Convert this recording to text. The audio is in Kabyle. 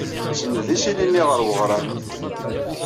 Nsenned isili-nni ɣer weɣrab.